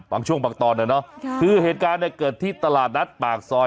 บางช่วงบางตอนนะเนาะคือเหตุการณ์เนี่ยเกิดที่ตลาดนัดปากซอย